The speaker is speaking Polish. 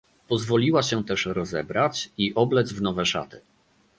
"Pozwoliła się też rozebrać i oblec w nowe szaty."